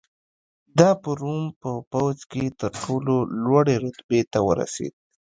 دا په روم په پوځ کې تر ټولو لوړې رتبې ته ورسېد